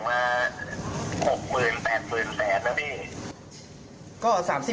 อันนี้จะส่งมา๖๘๐๐๐๐๐บาทนะพี่